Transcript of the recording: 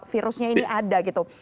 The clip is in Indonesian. virusnya ini ada gitu